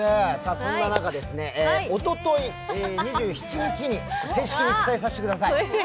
おととい２７日に、正式に伝えさせてください。